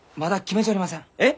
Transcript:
えっ？